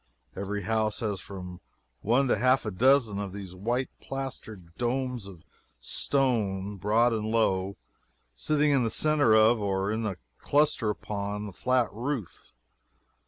Every house has from one to half a dozen of these white plastered domes of stone, broad and low, sitting in the centre of, or in a cluster upon, the flat roof.